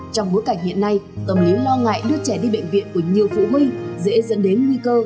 trong bối cảnh hiện nay tâm lý lo ngại đưa trẻ đi bệnh viện của nhiều phụ huynh dễ dẫn đến nguy cơ